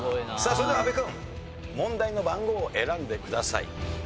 さあそれでは阿部君問題の番号を選んでください。